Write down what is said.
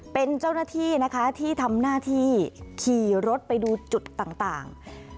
เป็นเจ้าหน้าที่นะคะที่ทำหน้าที่ขี่รถไปดูจุดต่าง